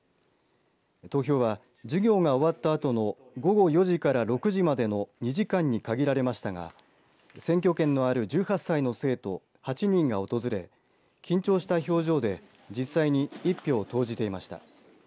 投票は、授業が終わったあとの午後４時から６時までの２時間に限られましたが選挙権のある１８歳の生徒８人が訪れ緊張した表情で実際に一票を投じていました。